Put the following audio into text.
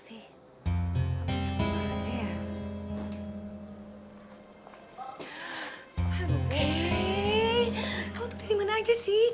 hei kamu tuh dari mana aja sih